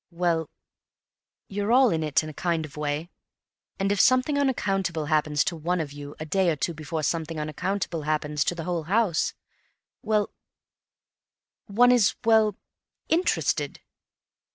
"Well, you're all in it in a kind of way. And if something unaccountable happens to one of you a day or two before something unaccountable happens to the whole house, one is—well, interested."